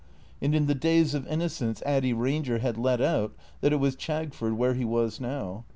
And in the days of innocence Addy Eanger had let out that it was Chagford where he was now.